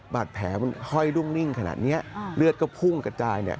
บาดแผลมันห้อยรุ่งนิ่งขนาดเนี้ยเลือดก็พุ่งกระจายเนี่ย